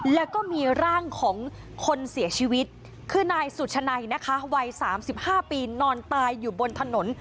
แล้วก็มีร่างของคนเสียชีวิตคือนายสุชนัยนะคะวัย๓๕ปีนอนตายอยู่บนถนน